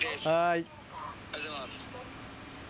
ありがとうございます。